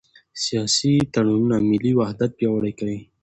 سیاسي تړونونه ملي وحدت پیاوړی کوي